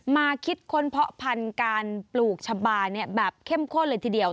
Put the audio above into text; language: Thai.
คิดค้นเพาะพันธุ์การปลูกชะบาแบบเข้มข้นเลยทีเดียว